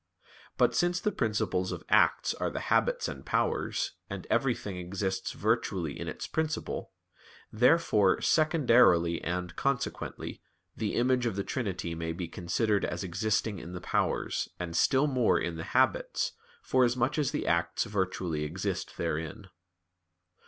But, since the principles of acts are the habits and powers, and everything exists virtually in its principle, therefore, secondarily and consequently, the image of the Trinity may be considered as existing in the powers, and still more in the habits, forasmuch as the acts virtually exist therein.